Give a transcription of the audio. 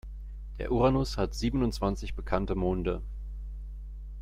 Der Uranus hat siebenundzwanzig bekannte Monde.